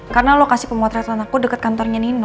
karena lo kasih pemotretan aku deket kantornya nino